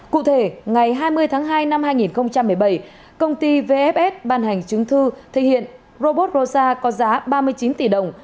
cụ thể ngày hai mươi tháng hai năm hai nghìn một mươi bảy công ty vfs ban hành chứng thư thể hiện robot rosa có giá ba mươi chín tỷ đồng